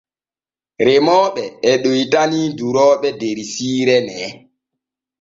Remooɓe e ɗoytani durooɓe der siire nee.